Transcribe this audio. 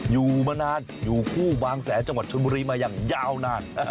อยู่มานานอยู่คู่บางแสนจังหวัดชนบุรีมาอย่างยาวนาน